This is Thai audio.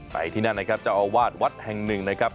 ที่นั่นนะครับเจ้าอาวาสวัดแห่งหนึ่งนะครับ